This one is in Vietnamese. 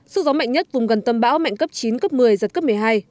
sức gió mạnh nhất vùng gần tâm bão mạnh cấp chín cấp một mươi giật cấp một mươi hai